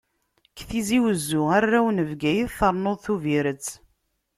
Deg Tizi-Wezzu, arraw n Bgayet, ternuḍ Tubiret.